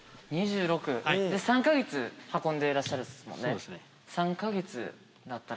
３か月運んでいらっしゃるんですもんね。